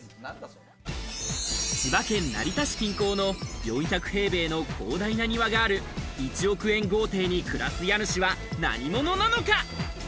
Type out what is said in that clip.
千葉県・成田市近郊の４００平米の広大な庭がある１億円豪邸に暮らす家主は何者なのか？